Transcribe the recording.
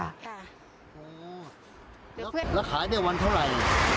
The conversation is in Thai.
แล้วขายวันเท่าไร